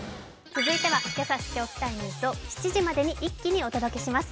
続いては今朝知っておきたいニュースを７時まで一気にお伝えします。